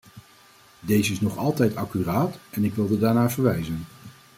Deze is nog altijd accuraat en ik wilde daarnaar verwijzen.